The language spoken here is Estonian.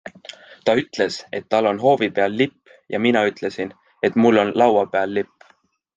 Ta ütles, et tal on hoovi peal lipp, ja mina ütlesin, et mul on laua peal lipp.